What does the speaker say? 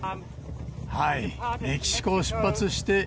はい、メキシコを出発して。